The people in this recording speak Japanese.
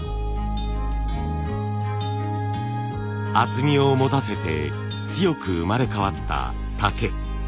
厚みを持たせて強く生まれ変わった竹。